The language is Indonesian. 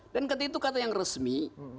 dan kata itu kata yang resmi